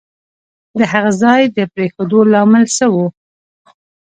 د هغه ځای د پرېښودو لامل څه وو؟